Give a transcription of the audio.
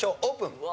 オープン！